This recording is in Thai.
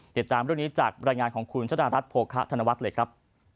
ติดตามรายงานของคุณชนะรัฐโภคะธนวักษ์